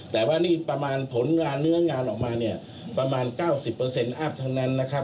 แต่ว่านี่ประมาณผลงานเนื้องานออกมาเนี่ยประมาณ๙๐อัพทั้งนั้นนะครับ